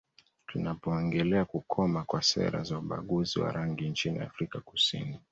Tunapoongelea kukoma kwa sera za ubaguzi wa rangi nchini Afrika Kusini